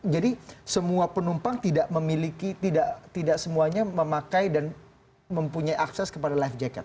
jadi semua penumpang tidak memiliki tidak semuanya memakai dan mempunyai akses kepada life jacket